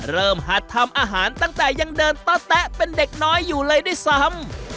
หัดทำอาหารตั้งแต่ยังเดินตะแต๊ะเป็นเด็กน้อยอยู่เลยด้วยซ้ำ